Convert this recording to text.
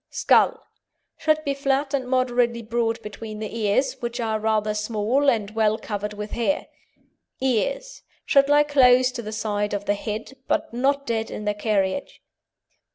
SKULL Should be flat and moderately broad between the ears, which are rather small, and well covered with hair. EARS Should lie close to the side of the head, but not dead in their carriage.